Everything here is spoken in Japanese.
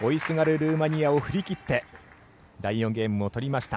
ルーマニアを振り切って第４ゲームも取りました。